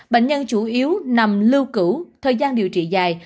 bệnh nhân chủ yếu nằm lưu cữu thời gian điều trị dài